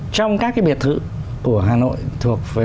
trong các cái biệt thự của hà nội thuộc về